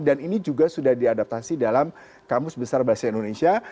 dan ini juga sudah diadaptasi dalam kamus besar bahasa indonesia